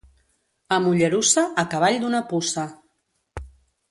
A Mollerussa, a cavall d'una puça.